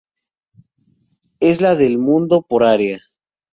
Es la del mundo por área.